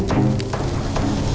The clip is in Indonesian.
gak mau kali